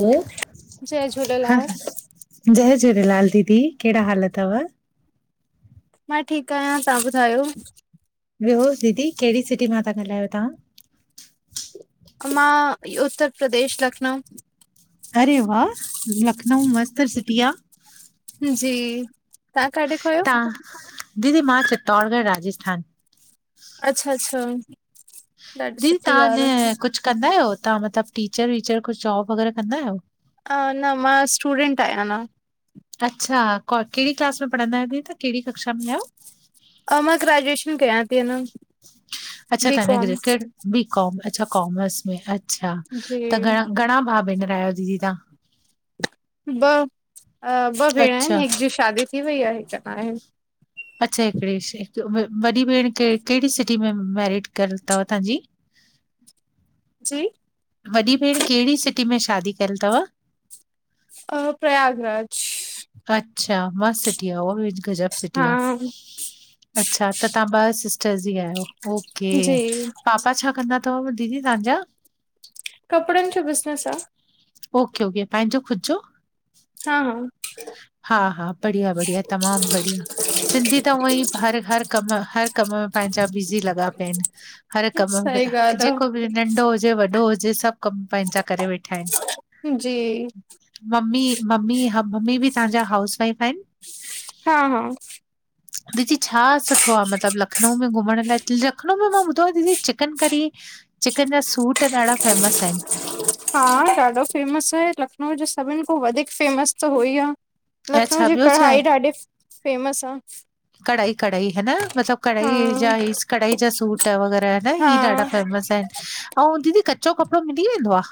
हलो जय हा झूलेलाल, जय झूलेलाल दीदी कहिड़ा हाल थव? मां ठीकु आहियां तव्हां ॿुधायो ॿियो दीदी कहिड़ी सिटी मां था ॻाल्हायो तव्हां मां उत्तर प्रदेश लखनऊ। अरे वाह! लखनऊ मस्त सिटी आ। जी तव्हां काॾे खो आयो? तव्हां दीदी मां चत्तौड़गढ़ राजस्थान। अचछा अच्छा ॾाढी दीदी सुठी तव्हां ॻाल्हि अ कुछ कंदा आहियो? तव्हां मतिलबु टीचर वीचर कुछ जॉब वग़ैरह कंद आहियो? अ न मां स्टूडेंट आहियां अना। अच्छा क कहिड़ी क्लास में पढ़ंदा आहियो? दीदी तव्हां कहिड़ी कक्षा में आहियो? अ मां ग्रेजुएशन कयां थी। अञा अच्छा बी तव्हां अना कॉम ग्रेकुएट बी कॉम अच्छा कॉमस में अच्छा जी त घणा घणा भाउ भेनर आहियो दीदी तव्हां? ब अ ॿ भेण आहिनि अच्छा हिकु जी शादी थी वई आहे हिकु अना आहे। अच्छा हिकिड़े हिक वॾी भेण क कहिड़ी सिटी में मेरिट कयल थव तव्हां जी? जी? वॾी भेण कहिड़ी सिटी में शादी कयल थव? अ प्रयागराज। अचछा मस्त सिटी आ उअ बि गजब हा सिटी आ। अच्छा त तव्हां ॿ सिस्टर्स ई आहियो ओके जी पापा छा कंदा थव? दीदी तांजा कपड़नि जो बिज़नस आ। ओके ओके पंहिंजो खुद जो? हा हा हा हा बढ़िया बढ़िया तमामु बढ़िया सिंधी त हूअ ईं हर हर कम हर कम में। पंहिंजा बिज़ी लॻा पिया आहिनि हर कम में सही ॻाल्हि जेको आहे बि नंढो हुजे वॾो हुजे सभु कमु पंहिंजा करे वेठा आहिन जी मम्मी मम्मी हम- मम्मी बि तव्हां जा हाउस वाइफ आहिन? हा हा दीदी छा सुठो आ मतिलब लखनऊ में घुमण लाइ? ज लखनऊ में मां ॿुधो आहे दीदी चिकनकरी चिकन जा सूट। ॾाढा फेमस आहिन हा ॾाढो फेमस आहे लखनऊ जो सभिनि खां वधीक फेमस त हुअ ई आ ऐं लखनऊ छा जी ॿियो छा कढ़ाई आहे ॾाढी फे फेमस आ। कढ़ाई कढ़ाई हेन मतलब हा कढ़ाई जा ई कढ़ाई जा सूट वग़ैरा हेन हा ही ॾाढा फे- वसा आहिन अऊं दीदी कचो कपिड़ो मिली वेंदो आ?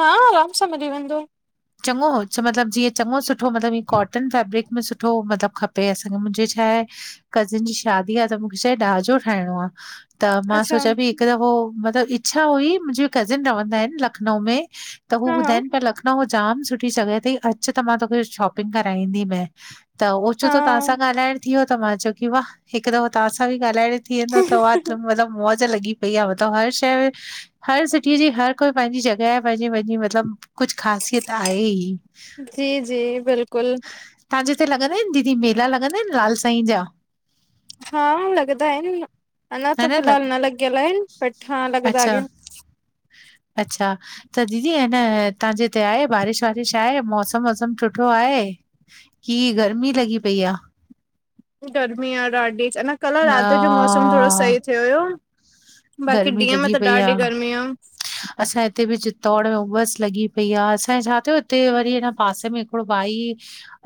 हा आराम सां मिली वंदो। चङो अच्छा मतलबु जीअं चङो सुठो मतलबु ईअं कोटन फेब्रिक? सुठे में सुठो मतलबु खपे असांखे मुंहिंजे छा आहे कज़िन जी शादी आए त मूंखे छाए ॾाजो ठाहिणो आ। त मां अच्छा सोचां पई हिकु दफ़ो मतिलबु इच्छा हुई मुंजी कज़िन रहंदा आहिन लखनऊ में। त हू हा हा ॿुधाइन पिया लखनऊ- जाम सुठी जॻह अथई अचु त मां तोखे शॉपिंग कराईंदी मै। त ओचो त तां हा सां ॻाल्हाइण थी वियो त मां चयो की वाह हिकु दफ़ो तव्हां सां बि ॻाल्हाए- थी वेंदो तवां चव मलब मौज लॻी पई आ मलब हर शै हर सिटीअ जी हर कोइ पैंजी जॻह पैंजी पैंजी मलब कुछ खा त आए ही जी जी बिल्कुल तांजे हिते लॻंदा आहिन दीदी मेला लॻंदा आहिन लाल साईं जा? हा लॻदा आहिन। अञा ह त लॻ फिलहाल न लॻियल आहिन बट हा लॻदा अच्छा आय अच्छा त दीदी हेन तां जे हिते आहे बारिश वारिश? आए मौसम वौसम सुठो आहे की गर्मी लॻी पई आ? गर्मी आ ॾाढी अञा कल राति जो मौसम थोङो हा सही थियो हुयो। बाक़ी गर्मी ॾींहं में लॻी त पई ॾाढी आ गर्मी आ असां हिते बि ज दौड़ में उबस लॻी पई आ असांजे छा थियो हिते वरी हिन पासे में हिकिड़ो भाई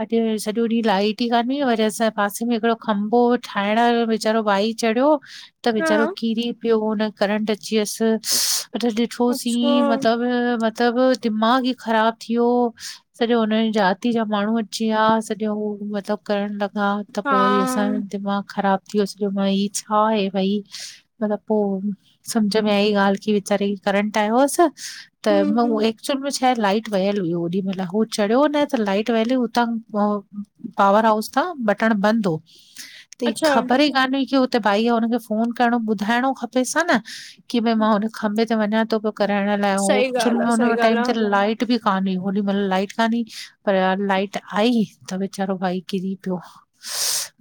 अॼ सॼो ॾींहं लाइट ई काने वरी असांजे पासे में हिकड़ो खंबो ठाहिण वेचारो भाई चढ़ियो। त हा वेचारो हा किरी पियो हुन करंट अची वयसि। असां अच्छा ॾिठोसीं मतब मतब दिमाग़ु ई ख़राब थी वियो सॼो हुनजी जाती जा माण्हू अची विया सॼो। मलब करंट लॻ हा त हा पो वरी असांजो दिमाग़ु ख़राब थी वियो सॼो भाई छा आहे भाई? मलब पो सम्झ में आई ॻाल्हि की वीचारे के करेंट आयो हुअसि। त मां उए हम्म एक्चुअल में लाइट वयल हुई ओॾी माल हू चढ़ियो न त लाइट वयल हुतां अ पावर हाउस तां। बटण बंद हो त ही अच्छा ख़बर ई कान हुई कि हुते भाई हुनखे फोन करण ॿुधाइणो खपेस न की भई मां हुन खभें ते वञा त ॿियो कराइण लाइ सही उचुन ॻाल्हि में आ सही हुन ॻाल्हि टाइम आ। ते लाइट बि कान हुई होॾी माल लाइट कान हुई पर यार लाइट आई त वेचारो भाई किरी पियो।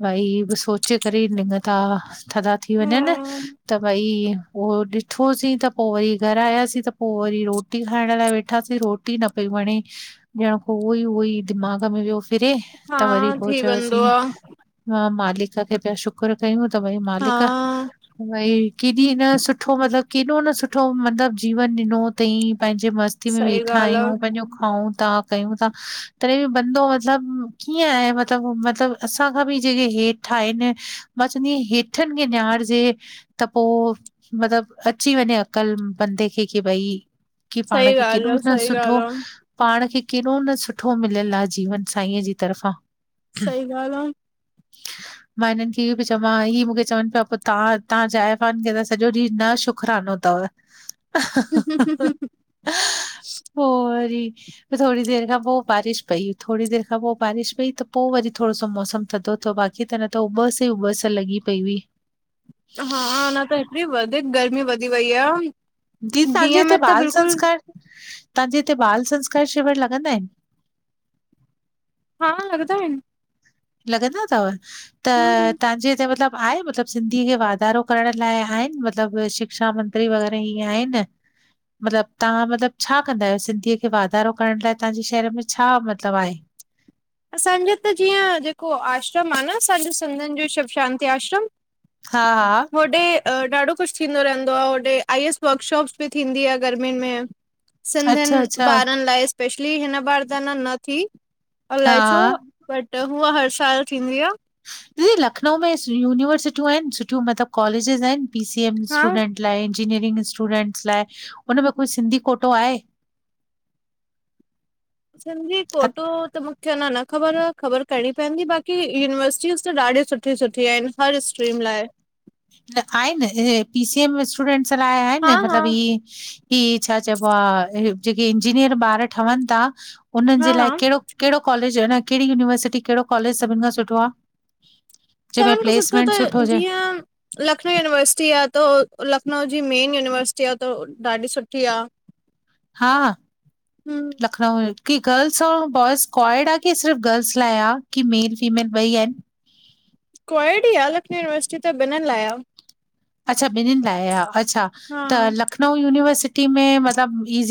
भाई ही ब सोचे करे लिङ था थदा थी वञनि। हम्म, त भाई पो ॾिठोसीं त पो वरी घर आयासीं त पो वरी रोटी खाइण लाइ वेठासीं त रोटी न पई वणे ॼण पो उअ ई उअ ई दिमाग़ में वियो फिरे हा त वरी पो थी वेंदो चयोसीं आ मां मालिक खे पिया शुकर कयूं। त भाई हा मालिक क केॾी न सुठो मतलब केॾो न सुठो मतलब जीवन ॾिनो थईं। पैंजे मस्ती में सही वेठा ॻाल्हि आ आहियूं पैंजो खाऊं था। कयूं था तॾहिं बि बंदो मतलब कीअं आए मतलब मतलब असांखां बि जेके हेठि ठाहिनि मां चवंदी आहि हेठनि खे निहारजे त पोइ मतलब अची वञे अकल बंदे खे की भई की पाण सही खे ॻाल्हि केॾो आ न सही सुठो ॻाल्हि आ पाण खे केॾो न सुठो मिलियलु आहे, जीवन साईंअ जी तरफ़ां सही ॻाल आ। मां हिनन खे इहो पई चां ही मुखे चवनि पिया पो तां तां जाइफ़ान खे त सॼो ॾींहं न शुखुरानो थव। हूं हूं हूं हूं पोइ थोरी देर खां पोइ बारिश पई थोरी देर खां पोइ बारिश पई त पोइ वरी थोरो सो मौसम थधो बाक़ी त न त उबस ई उबस लॻी पई हुई हा अञां त हेतरी वधीक गर्मी वधी वई आ जी, तांजेे ॾींहं हिते में त बाल बिल्कुलु संस्कार तव्हांजे हिते बाल संस्कार शिवर लॻंदा आहिनि हा लॻंदा आहिनि लॻंदा तव त, हम्म तव्हांजे हिते मतलबु आहे मतलबु, सिंधी खे वाधारो करण लाइ आहिनि मतलब, शिक्षा मंत्री वग़ैरह ईीअं आहिनि मतलबु, तव्हां मतलबु छा कंदा आहियो, सिंधीअ खे वाधारो करण लाइ, तव्हांजे शहर में छा मतलबु आहे [inaudible] असांजो त जीअं, जेको आश्रम आ न, असांजो सिंधियुनि जो शिव शांति आश्रम हा हा होॾे ॾाढो कुझु थींदो रहंदो आहे होॾे, आई एस वर्कशॉप्स बि थींदी आहे गर्मियुनि में अच्छा, सिंधियुनि, अच्छा, ॿारनि लाइ स्पेशली हिन बार त न न थी हा, अलाए छो, हा, बट हूअ हर साल थींदी आ। दीदी लखनऊ में, यूनिवर्सिटियूं आहिनि सुठियूं मतिलबु कॉलेजिस आहिनि पी सीएम हा स्टूडेंट लाइ इंजीनियरिंग स्टूडेंट्स लाइ, उन में कोई सिंधी कोटो आहे सिंधी अ- कोटो, त मूंखे न न ख़बर, ख़बर करणी पवंदी बाक़ी यूनिवर्सिटीज़ त ॾाढी सुठी सुठी आहिनि हर स्ट्रीम लाइ त आहिनि इ पीसी एम में स्टूडेंट्स लाइ हा आहिनि हा मतलबु इंअ ही छा चइबो आहे, जेके इंजीनियर ॿार ठहनि था उन्हनि हा जे हा लाइ कहिड़ो कहिड़ो कॉलेज आ कहिड़ी यूनिवर्सिटी कहिड़ो कॉलेज सभिनि खां सुठो आ? सेवन खां सुठो त जीअं लखनऊ यूनिवर्सिटी आ, त लखनऊ जी मेन यूनिवर्सिटी आ, त ॾाढी सुठी आहे। हा, लखनऊ की गर्ल्स ऐं बवाएज़ [unintelligible] आ, कि सिर्फ गर्ल्स लाइ आ, की मेल फीमेल ॿई आहिनि? [unintelligible] ही आ लखनऊ यूनिवर्सिटी त ॿिन्नि लाइ आ अच्छा ॿिन्नि लाइ आ, अच्छा हा त लखनऊ यूनिवर्सिटी में मतलबु ई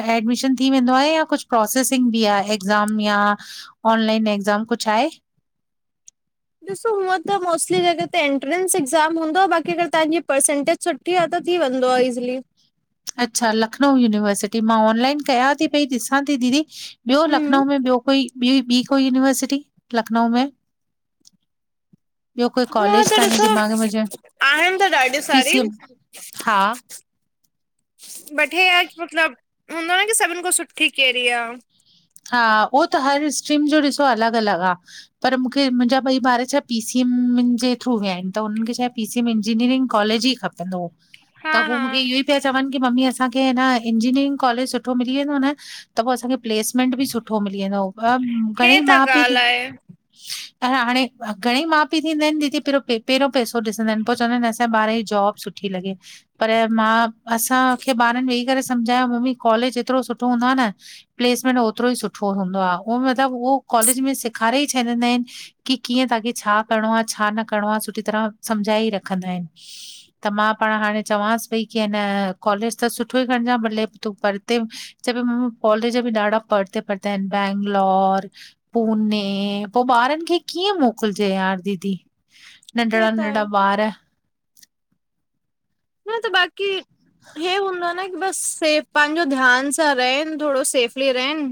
[unintelligible] एडमीशन थी वेंदो आहे, या कुझ प्रोसेसिंग बि एक्ज़ाम या ऑनलाइन एक्ज़ाम दम कुझु आहे ॾिसो, हूअं त मोस्टली जॻह ते एंट्रेंस एक्ज़ाम हूंदो आहे बाक़ी अगर तव्हांजी परसेंटेज सुठी आहे त थी वेंदो आहे, इज़ीली अच्छा लखनऊ यूनिवर्सिटी, मां ऑनलाइन कयां थी पई ॾिसां थी दीदी ॿियो, हम्म लखनऊ में ॿियो कोई ॿी ॿी कोई यूनिवर्सिटी लखनऊ में ॿियो कोई हूअं कॉलेज त तव्हांजे ॾिसो दिमाग़ में हुजण, आहिनि त ॾाढी सारी पीसीएम हा [inaudible] [unintelligible] मतलब [unintelligible] सभिनि खां सुठी कहिड़ी आ हा, उहो त हर स्ट्रीम जो ॾिसो अलॻि अलॻि आ, पर मूंखे मुंहिंजा ॿई ॿार छा पीसी मुंहिंजे थ्रू विया आहिन त उन्हनि खे छा पीसी में इंजीनियरिंग कॉलेज ही खपन्दो हो, त हा हु हा मूंखे इहो ही पिया चवन की मम्मी असांखे न इंजीनियरिंग कॉलेज सुठो मिली वेंदो न त पोइ असांखे प्लेसमेंट बि सुठो म [unintelligible] घणेई हे त माउ पीउ ॻाल्हि थ आहे। हा हाणे घणई माउ पीउ थींदा आहिनि जेके पहिरों पहिरो पैसो ॾिसंदा आहिनि पोइ चवंदा आहिनि असांजे ॿार जी जॉब सुठी हे लॻे पर मां असांखे ॿारनि वेही करे सम्झायो मम्मी कॉलेज एतिरो सुठो हूंदो आ न [unintelligible] प्लेस न न ओतिरो ई सुठो हूंदो आ, उहो मतलब उहो कालेज में सेखारे ही छॾींदा आहिन त कीअं तां खे छा छा करणो आहे छा न करणो आहे सुठी तरह समझाए ई रखंदा आहिनि, त मां पाण हाणे चवांसि सई कीअं न, कॉलेज त सुठो ई खणजइ भले तूं परते चईई कॉलेज बि ॾाढा परते परते आहिनि बैंगलोर, पुने पोइ ॿारनि खे कीअं मोकिलजे हा दीदी हे नंढड़ा त आहे नंढड़ा ॿार न त बाक़ी हे हूंदो न बस सेफ पंहिंजो ध्यान सां रहन थोरो सेफली रहन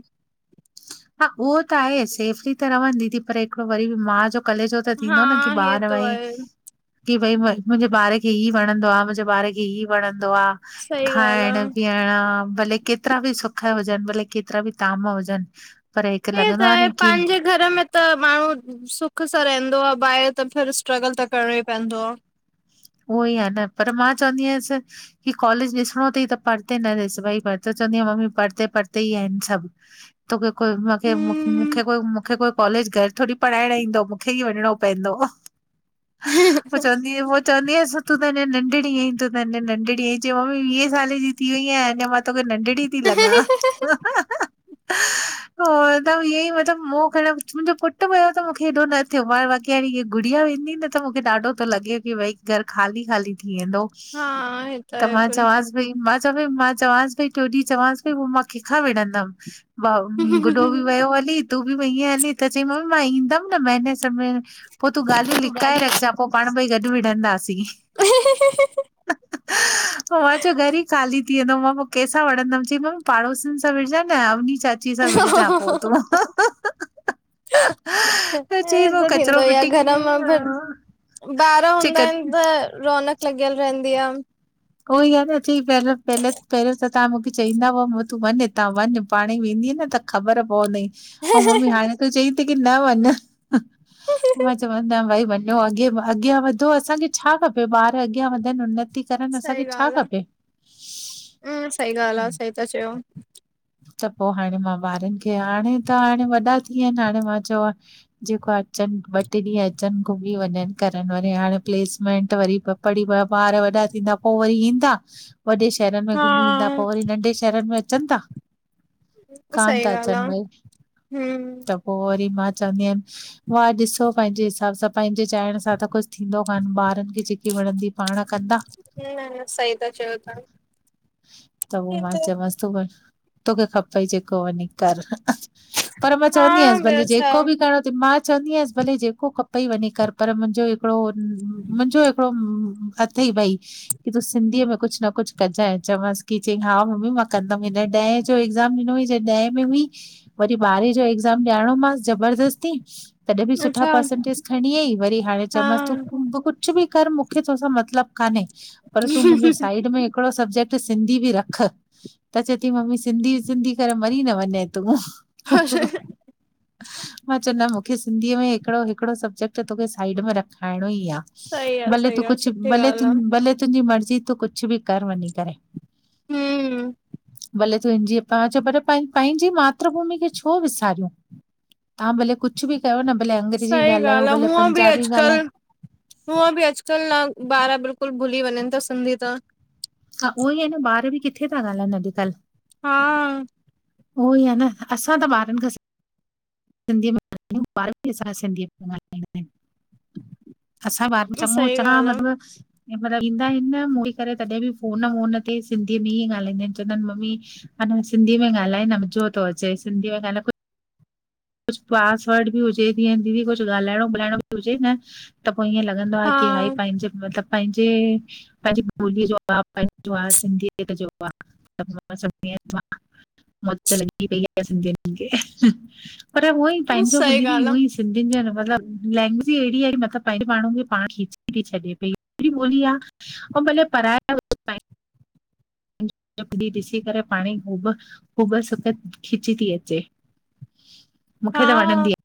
हा उहो त आहे सेफली त रहंद दीदी पर हिकिड़ो वरी माउ जो कलेजो त हा थींदो न की हे ॿार तो भई आहे की भई मुंहिंजे ॿार खे ई वणंदो आहे मुंहिंजे ॿार खे ई वणं दो आ सही ॻाल्हि आ। खाइण पीअण आ भले केतिरा बि सुख हुजनि, भले केतिरा बि ताम हुजनि पर हिकु हे लॻंदो त आ आहे न की पंहिंजे घर में त ॿार सुख सां रहंदो आहे ॿाहिरि त फर स्ट्रगल त करणो ई पवंदो आ उहो ई आहे न पर मां चवंदी आयसि की कॉलेज ॾिसणो अथई त प परते ॾिस भाई बच चवंदी आहे मम्मी पढ़ते पढ़ते ई आहिनि सभु तोखे कोई मूंखे हम्म मूंखे कोई मूंखे कोई कॉलेज घर थोरी पढ़ाइण ईंदो मूंखे ई वञणो पवंदो पोइ चवंदी उहो च्वन्दी आयास नंढड़ीं ई अथ नंढड़ी च्यईं मम्मी वीह साल जी थी वेई आहियां अञा मां तो नंढड़ी थी लॻा त ईअं ई मतिलबु मूं खण मुंहिंजो पुट पियो त मूंखे हेॾो न थियो मां बाक़ी हाणे ही गुड़िया वेंदी न त मूंखे ॾाढो थो लॻे की भई घर ख़ाली ख़ाली थी थी वेंदो हा हे त आहे मां चवसि भई मा चई मां चवसि भई टियो ॾींहुं चववाससि भई हू मां कंहिंखा विणंदमि? वा गुॾो बि फिर वियो हली तूं बि वईं हली त चईं मम्मी मां ईंदमि न महीने में पोइ तूं ॻाल्हियूं लिकाए रखज पो पाणई गॾु विढंदास मां चयो घर ई खाली थी वेंदो मां पोइ कंहिंस वंदमि चई मम्मी पाड़ोसीनि सां विझा न [unintelligible] चाची सां विड़जां पोइ तूं हे चई पोइ त थींदो कचिरो ई आहे फिटी घर मां फिर ॿार हूंदा आहिनि चई त रौनक लॻियल रहंदी आ उहो ही आ न अ चई पियो पल पहिरियों त तव्हां मूंखे चईंदा तूं वञ हितां वञ पाणे ई वेंदी इअ न त ख़बर पवंदई आऊं मम्मी हाणे तूं चई थी की न वञ मां चवंद न भई वञ अॻे अॻियां वधो असांखे छा खपे? ॿार अॻियां वधनि उनती करनि सही असांखे छा ॻालह खपे हूं सही ॻालह सही त चओ त पोइ हाणे मां ॿारनि खे हाणे त हाणे वॾा थी विया आहिनि हाणे मां चयो जेको आहे अचनि ॿ टे ॾींहं अचनि घुमी वञनि करनि वरी हाणे प्लेसमेंट वरी पढ़ी ॿ ॿार वरी वॾा थींदा पोइ वरी ईंदा वॾे शहरनि में हा घुमी ईंदा पोइ वरी नंढे शहरनि में अचनि था? कान सही था ॻाल्हि अचनि आ, भई हम्म त पोइ वरी मां च्वंदी आहियनि वाह मुंहिंजा ॾिसो पंहिंजे हिसाब सां पनहिं मुहिंजे चाइण सां त कुझु थींदो कान ॿारनि खे जेकी वणंदी पाण कंदा ह सही त चओ तव्हां। त उ हे मां चयो मांस तू [inaudible] तोखे खपई जेको वञी कर पर मां हा चवंदी आयसि ॿियो भले छा? जेको बि करिणो अथई मां चवंदी आयसि भले जेको खपेई वञी कर पर मुंहिंजो हिकिड़ो मुंहिंजो हिकिड़ो हथ ई की तूं सिंधीअ में कुझु न कुझु कजयं चस की चयई हा ममी मां को कंदम जॾहिं ॾहें [unintelligible] जॾहिं ॾहें में हुई वरी ॿारहें जो एग्ज़ाम ॾियारणोमास ज़बरदस्ती। तॾहिं बि सुठा अच्छा परसेंटेज खणी आईं वरी हाणे हा चयोमांस तूं [unintelligible] कुझु बि कर मूंखे तोसां मतिलबु कान्हे पर तूं मुंहिंजे साइड में हिकिड़ो सबजेक्ट तूं सिंधी बि रख त चए थी मम्मी सिंधी सिंधी करे मरी न वञे तूं मां चयो न मूंखे सिंधीअ में हिकड़ो, हिकिड़ो सब्जेक्ट तोखे साइड में रखाइणो ई सही आ, भले सही तूं आ, कुझु सुठी भले, ॻाल्हि आ। भले तुंहिंजी मर्ज़ी तूं कुझु बि कर वञी करे हम्म [inaudible] तुंहिंजी पा च पर पंहिंजी मातृभूमि खे छो विसारियूं। तव्हां भले कुझु बि कयो न। भले अंग्रेजी सी ॻाल्हायो गॻाल आहे भले हूंअं बि पंजाबी अॼकल ॻाल्हायो। हुअं बि अॼकल न बारा बिलकुलु भुली वञनि था सिंधी त हा उहो ई आहे न ॿार बि किथे था ॻाल्हानि अॼुकल हा उहो ई आहे न असां त ॿारनि खां सिंधीअ में [unintelligible] असा [unintelligible] सही ॻाल्हि आ। मतलब है मतलब ईंदा आहिनि न मोटी करे तॾहिं बि फोन वोन ते सिंधीअ में ई ॻाल्हाईंदा आहिनि चवंदा आहिनि मम्मी सिंधी में ॻाल्हाय न मजो थो अचे सिंधी में ॻाल्हाए कुछ पासवर्ड बि हुजे जीअं दीदी कुछ ॻाल्हाइणो ॿोलाइणो बि हुजे न। त पोइ ईअं लॻंदो आहे की भाई हा, पंहिंजे मतलब पंहिंजे पंहिंजी [unintelligible] [unintelligible] [unintelligible] पर उअं ई पंहिंजो बि सही दीदी ॻाल्हि उअ ई सिंधियुनि जो मतलबु [unintelligible] मतलब पंहिंजे माण्हू खे पाण खीची छॾे पई [unintelligible] पराया [unintelligible] [unintelligible] पाणी हूब [unintelligible] खिची थी अचे आ, मूंखे त हा। वणंदी आ